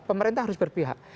pemerintah harus berpihak